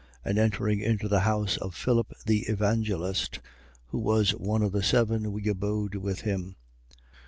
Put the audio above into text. And entering into the house of Philip the evangelist, who was one of the seven, we abode with him.